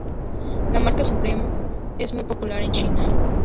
La marca Supreme es muy popular en China.